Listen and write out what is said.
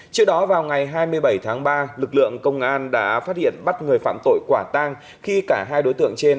trước đó vào ngày hai mươi bảy tháng ba lực lượng công an đã phát hiện bắt người phạm tội quả tang khi cả hai đối tượng trên